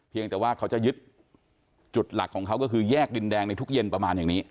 แต่ว่าเขาจะยึดจุดหลักของเขาก็คือแยกดินแดงในทุกเย็นประมาณอย่างนี้